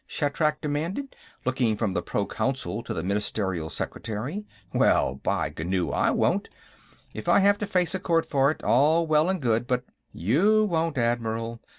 Shatrak demanded, looking from the Proconsul to the Ministerial Secretary. "Well, by Ghu, I won't! If I have to face a court for it, all well and good, but...." "You won't, Admiral.